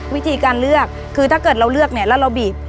วิธีการเลือกคือถ้าเกิดเราเลือกเนี่ยแล้วเราบีบ